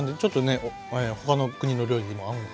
他の国の料理にも合うんですよね。